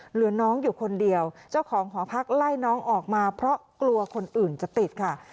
เหลือน้องอยู่คนเดียวเจ้าของหอพักไล่น้องออกมาเพราะกลัวคนอื่นจะติดค่ะ